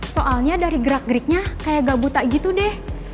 soalnya dari gerak geriknya kayak gak buta gitu deh